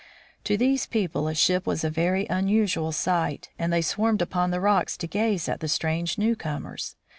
To these people a ship was a very unusual sight, and they swarmed upon the rocks to gaze at the strange newcomers.